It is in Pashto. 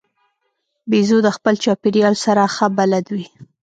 بیزو د خپل چاپېریال سره ښه بلد وي.